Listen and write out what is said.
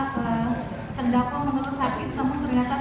setelah menelusur sakit tetapi ternyata setelah dicek oleh dokter kami